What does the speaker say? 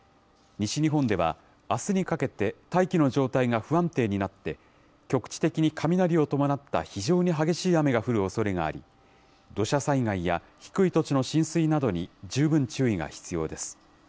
西日本では、あすにかけて大気の状態が不安定になって、局地的に雷を伴った非常に激しい雨が降るおそれがあり、土砂災害や低い土地の浸水などに、十分注意が必要です。